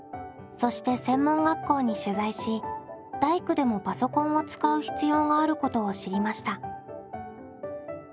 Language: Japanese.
そして専門学校に取材し大工でもパソコンを使う必要があることを知りました。